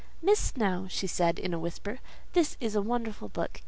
"Miss Snowe," said she in a whisper, "this is a wonderful book.